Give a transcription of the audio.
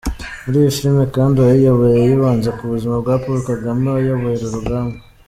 Muri iyi filime kandi uwayiyoboye yibanze ku buzima bwa Paul Kagame wayoboye uru rugamba.